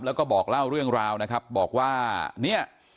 แล้วก็บอกเล่าเรื่องราวนะครับบอกว่าเนี่ย